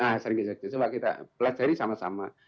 nah sering ke jogja coba kita belajar ini sama sama